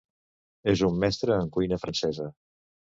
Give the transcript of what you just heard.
És un mestre en cuina francesa.